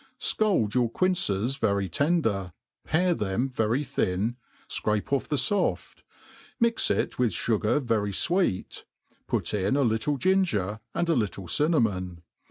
SCALD your qumccs very tender, pare them very" thin, fcrape off the foft ; mix it with fugar very fweet, put ill a }ittle ginger and a littte cinnamon.